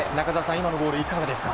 今のゴールいかがですか？